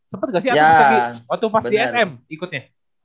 sempet gak sih waktu pas di sm ikutnya